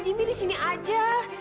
jimmy di sini aja